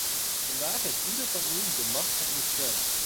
Vandaag heeft ieder van u de macht van uw stem.